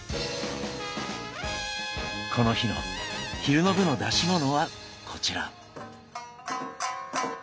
この日の昼の部の出し物はこちら。